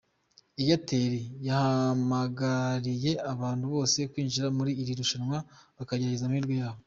Airtel yahamagariye abantu bose kwinjira muri iri rushanwa bakagerageza amahirwe yabo.